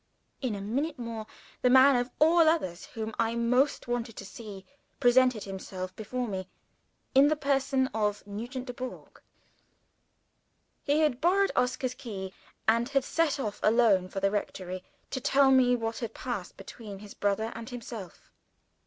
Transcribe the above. In a minute more, the man of all others whom I most wanted to see, presented himself before me, in the person of Nugent Dubourg. He had borrowed Oscar's key, and had set off alone for the rectory to tell me what had passed between his brother and himself.